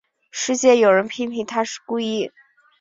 事件有人批评她是故意。